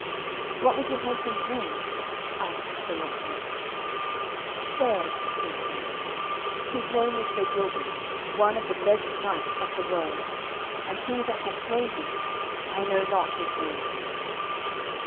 "What was your husband's name?" asked Sir Launcelot. "Sir," said she, "his name was Sir Gilbert, one of the best knights of the world, and he that hath slain him, I know not his name."